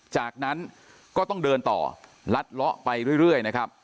จากนั้นก็ต้องเดินต่อลัดเลาะไปเรื่อยนะครับ